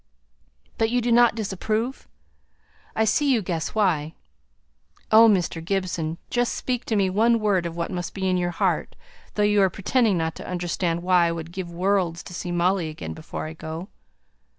"But you do not disapprove? I see you guess why. Oh! Mr. Gibson, just speak to me one word of what must be in your heart, though you are pretending not to understand why I would give worlds to see Molly again before I go."